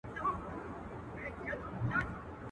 موږ ته یې کیسه په زمزمو کي رسېدلې ده.